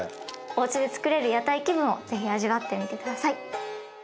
おうちでつくれる屋台気分を是非味わってみて下さい。